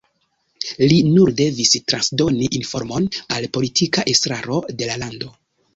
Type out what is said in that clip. Li nur devis transdoni informon al politika estraro de la lando.